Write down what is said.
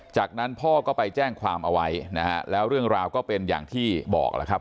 จากนั้นพ่อก็ไปแจ้งความเอาไว้นะฮะแล้วเรื่องราวก็เป็นอย่างที่บอกแล้วครับ